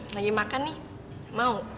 lagi makan nih mau